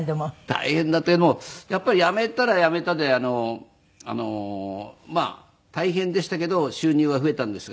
大変なというのもやっぱり辞めたら辞めたでまあ大変でしたけど収入は増えたんですが。